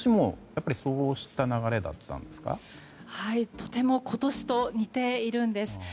とても今年と似ているんです。